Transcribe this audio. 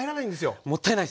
もったいないですね！